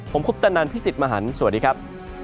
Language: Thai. ผมคุปตะนันพี่สิทธิ์มหันฯสวัสดีครับ